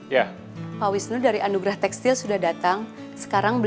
ya udah lain kali kalo jalan hati hati sayang ya